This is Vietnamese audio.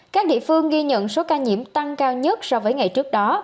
các địa phương ghi nhận số ca nhiễm tăng cao nhất so với ngày trước đó